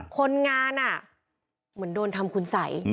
คนงานอะเหมือนโดนทำคุณใส